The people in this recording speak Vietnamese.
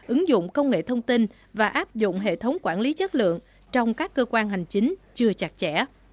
ứng dụng công nghệ thông tin và áp dụng hệ thống quản lý chất lượng trong các cơ quan hành chính chưa chặt chẽ